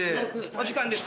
お時間です。